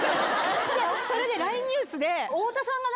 それでＬＩＮＥニュースで太田さんが。